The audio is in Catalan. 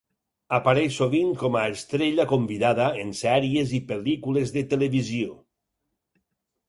Apareix sovint com a estrella convidada en sèries i pel·lícules de televisió.